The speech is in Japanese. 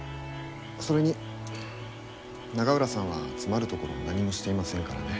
それに永浦さんは詰まるところ何もしていませんからね。